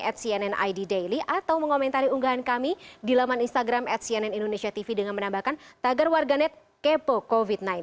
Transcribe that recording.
at cnn id daily atau mengomentari unggahan kami di laman instagram at cnn indonesia tv dengan menambahkan tagar warganet kepo covid sembilan belas